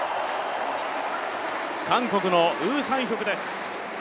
韓国のウ・サンヒョクです。